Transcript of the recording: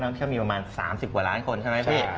ท่องเที่ยวมีประมาณ๓๐กว่าล้านคนใช่ไหมพี่